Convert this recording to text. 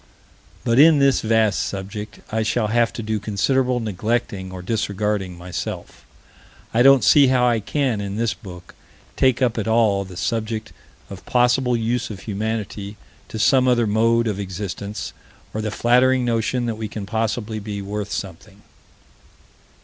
But, in this vast subject, I shall have to do considerable neglecting or disregarding, myself. I don't see how I can, in this book, take up at all the subject of possible use of humanity to some other mode of existence, or the flattering notion that we can possibly be worth something.